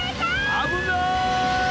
あぶない！